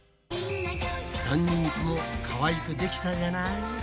３人ともかわいくできたじゃない。